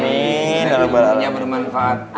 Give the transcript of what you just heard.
bisa berguna bermanfaat